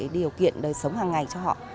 điều kiện đời sống hàng ngày cho họ